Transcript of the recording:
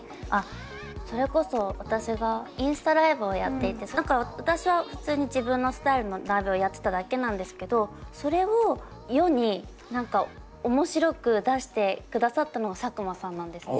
それこそ私がインスタライブをやっていて私は普通に自分のスタイルのライブをやってただけなんですけどそれを世に面白く出してくださったのが佐久間さんなんですね。